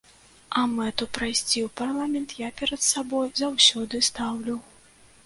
А мэту прайсці ў парламент я перад сабой заўсёды стаўлю.